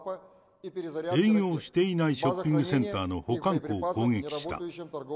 営業していないショッピングセンターの保管庫を攻撃した。